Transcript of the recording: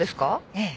ええ。